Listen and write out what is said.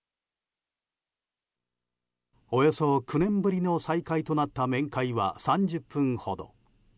およそ９年ぶりの再会となった面会は３０分ほど。